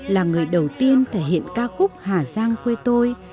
là người đầu tiên thể hiện ca khúc hà giang quê tôi